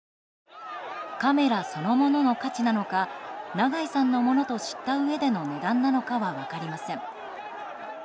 カメラそのものの価値なのか長井さんのものと知ったうえでの値段なのかは分かりません。